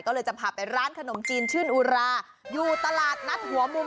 ก็เลยจะพาไปร้านขนมจีนชื่นอุราอยู่ตลาดนัดหัวมุม